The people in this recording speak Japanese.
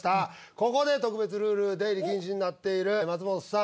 ここで特別ルール出入り禁止になっている松本さん